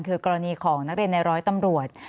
คือกรณีของนักเรียนในร้อยตำรวจ